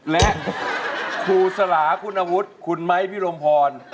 และครูสลาคุณอาวุธคุณไมค์พี่รมพร